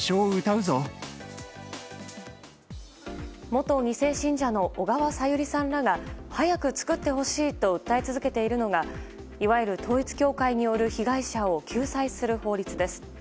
元２世信者の小川さゆりさんらが早く作ってほしいと訴え続けているのがいわゆる統一教会による被害者を救済する法律です。